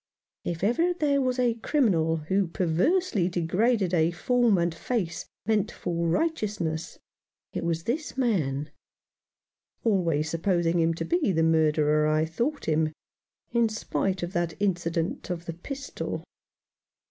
If ever there was a criminal who perversely degraded a form and face meant for righteousness, it was this man ; always supposing him to be the murderer I thought him, in spite of that incident of the pistol.